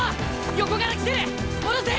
横から来てる戻せ！